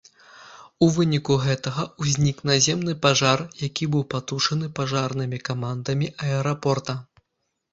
У выніку гэтага ўзнік наземны пажар, які быў патушаны пажарнымі камандамі аэрапорта.